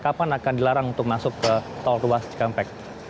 kapan akan dilarang untuk masuk ke tol ruas cikampek